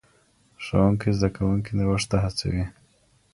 ښوونکی زدهکوونکي نوښت ته هڅوي.